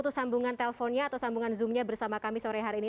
putus sambungan telponnya atau sambungan zoom nya bersama kami sore hari ini